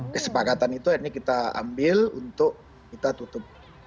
kesepakatan itu akhirnya kita ambil untuk kita tutup